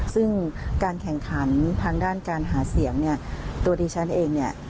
ซึ่งการแข่งขันทางด้านการหาเสียงเนี่ยตัวดิฉันเองเนี่ย